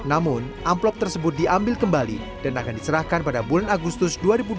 namun amplop tersebut diambil kembali dan akan diserahkan pada bulan agustus dua ribu dua puluh